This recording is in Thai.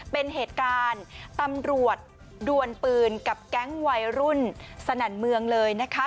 เป็นเหตุการณ์ตำรวจดวนปืนกับแก๊งวัยรุ่นสนั่นเมืองเลยนะคะ